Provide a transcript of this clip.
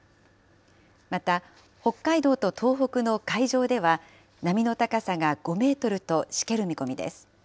また、北海道と東北の海上では、波の高さが５メートルとしける見込みです。